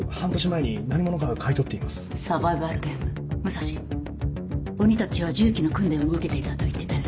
武蔵鬼たちは銃器の訓練を受けていたと言っていたよね？